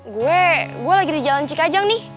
gue gue lagi di jalan cikajang nih